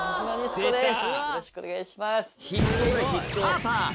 よろしくお願いします。